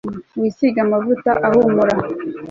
wisige amavuta ahumura